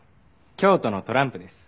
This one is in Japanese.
京都のトランプです。